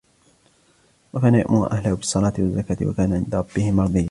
وَكَانَ يَأْمُرُ أَهْلَهُ بِالصَّلَاةِ وَالزَّكَاةِ وَكَانَ عِنْدَ رَبِّهِ مَرْضِيًّا